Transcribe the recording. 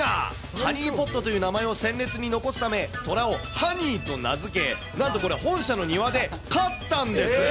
ハニーポットという名前を鮮烈に残すため、虎をハニーと名付け、なんと本社の庭で飼ったんです。